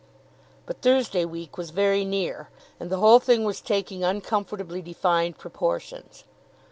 But Thursday week was very near, and the whole thing was taking uncomfortably defined proportions.